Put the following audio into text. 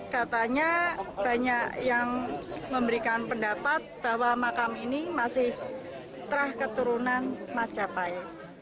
katanya banyak yang memberikan pendapat bahwa makam ini masih terah keturunan majapahit